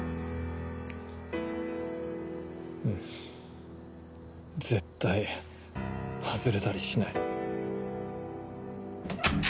うん絶対外れたりしない。